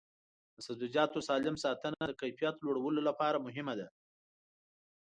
د سبزیجاتو سالم ساتنه د کیفیت لوړولو لپاره مهمه ده.